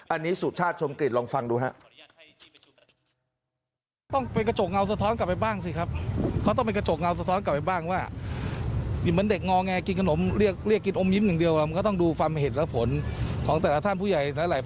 อันนี้สุชาติชมกิจลองฟังดูฮะ